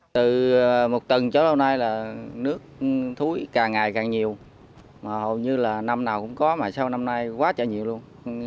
từ một tuần cho lâu nay là nước thúi càng ngày càng nhiều hầu như là năm nào cũng có mà sau năm nay quá trời nhiều luôn